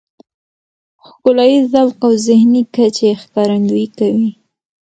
ښکلاييز ذوق او ذهني کچې ښکارندويي کوي .